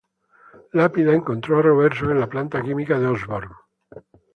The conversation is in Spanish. Lápida encontró a Robertson en la planta química de Osborn.